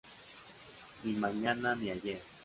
Ni mañana ni ayer.